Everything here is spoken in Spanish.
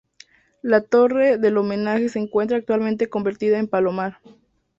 La torre del homenaje se encuentra actualmente convertida en palomar.